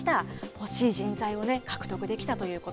欲しい人材を獲得できたというこ